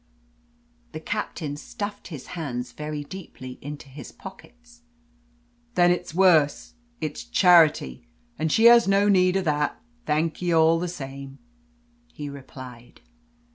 The Captain stuffed his hands very deeply into his pockets. "Then it's worse it's charity. And she has no need of that. Thank ye all the same," he replied.